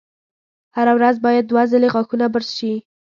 هره ورځ باید دوه ځلې غاښونه برش شي.